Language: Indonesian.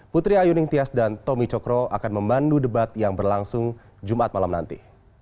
putri ayu ningtyas dan tommy cokro akan memandu debat yang berlangsung jumat malam nanti